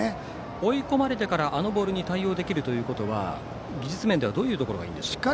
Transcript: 追い込まれてからあのボールに対応できるというのは技術面ではどういうところがいいんでしょうか。